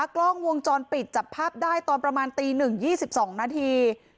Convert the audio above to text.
กล้องวงจรปิดจับภาพได้ตอนประมาณตีหนึ่งยี่สิบสองนาที